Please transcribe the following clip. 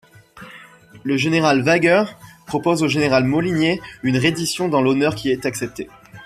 Le général Waeger propose au général Molinié une reddition dans l'honneur qui est acceptée.